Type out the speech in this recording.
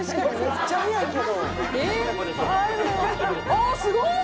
あっすごい！